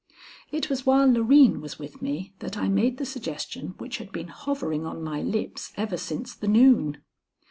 It was while Loreen was with me that I made the suggestion which had been hovering on my lips ever since the noon.